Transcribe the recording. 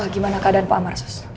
gimana keadaan pak amar sus